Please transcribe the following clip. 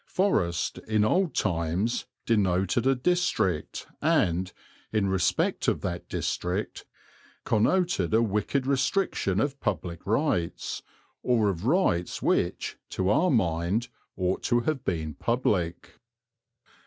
"Forest" in old times denoted a district and, in respect of that district, connoted a wicked restriction of public rights, or of rights which, to our mind, ought to have been public.